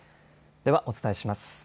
ではお伝えします。